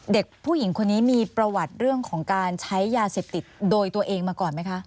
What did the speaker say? เด็กผู้หญิงคนนี้มีประวัติเรื่องของการใช้ยาเสพติดโดยตัวเองมาก่อนไหมคะ